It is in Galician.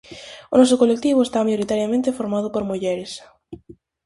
O noso colectivo está maioritariamente formado por mulleres.